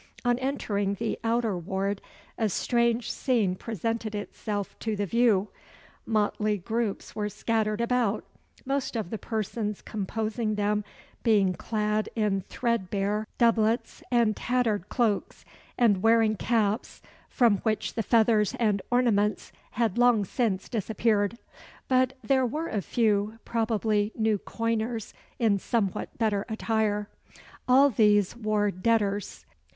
On entering the outer ward, a strange scene presented itself to the view. Motley groups were scattered about most of the persons composing them being clad in threadbare doublets and tattered cloaks, and wearing caps, from which the feathers and ornaments had long since disappeared; but there were a few probably new coiners in somewhat better attire. All these wore debtors.